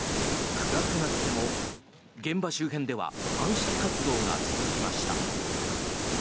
暗くなっても現場周辺では鑑識活動が続きました。